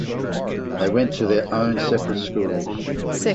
They went to their own separate schools.